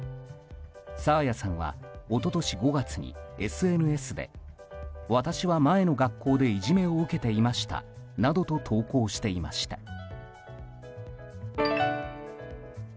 爽彩さんは一昨年５月にＳＮＳで私は前の学校でいじめを受けていましたなどと投稿していました。